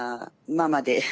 ママで。